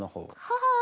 はあ。